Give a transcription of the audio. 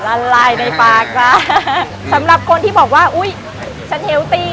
ละลายในปากนะสำหรับคนที่บอกว่าอุ้ยฉันเฮลตี้